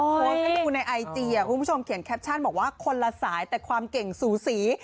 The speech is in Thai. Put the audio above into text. โพสต์ให้ดูในไอจีคุณผู้ชมเขียนแคปชั่นบอกว่าคนละสายแต่ความเก่งสูสี